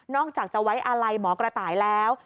อกจากจะไว้อาลัยหมอกระต่ายแล้ว